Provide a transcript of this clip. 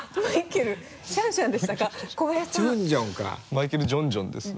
マイケル・ジョンジョンですね。